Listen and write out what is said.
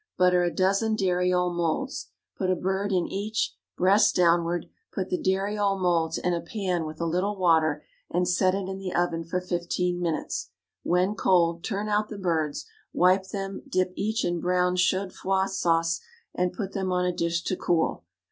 Butter a dozen dariole moulds. Put a bird in each, breast downward; put the dariole moulds in a pan with a little water, and set it in the oven for fifteen minutes; when cold, turn out the birds, wipe them, dip each in brown chaudfroid sauce, and put them on a dish to cool.